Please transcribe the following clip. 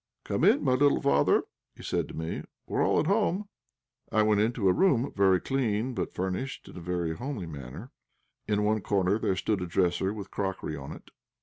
"Come in, my little father," he said to me; "we are all at home." I went into a room, very clean, but furnished in a very homely manner. In one corner there stood a dresser with crockery on it.